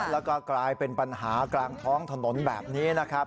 แล้วก็กลายเป็นปัญหากลางท้องถนนแบบนี้นะครับ